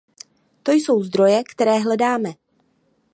To jsou zdroje, které hledáme.